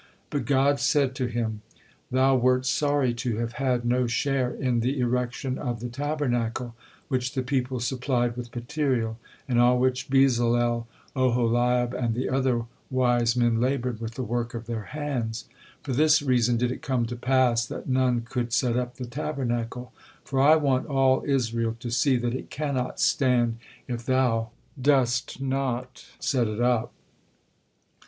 But God said to him: "Thou wert sorry to have had no share in the erection of the Tabernacle, which the people supplied with material, and on which Bezalel, Oholiab, and the other wise men labored with the work of their hands. For this reason did it come to pass that none could set up the Tabernacle, for I want all Israel to see that it cannot stand if thou dost not set it up."